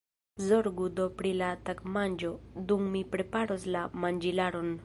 Zorgu do pri la tagmanĝo, dum mi preparos la manĝilaron.